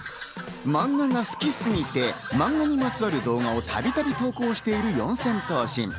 漫画が好きすぎて漫画にまつわる動画をたびたび投稿している四千頭身。